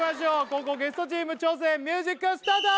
後攻ゲストチーム挑戦ミュージックスタート